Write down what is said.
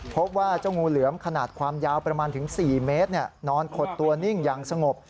พบว่าเจ้างูเหลือมขนาดความยาวประมาณถึง๔เมตรนอนขดตัวนิ่งอย่างสงบ